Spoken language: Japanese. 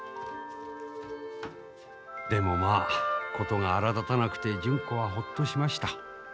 でもまあ事が荒だたなくて純子はほっとしました。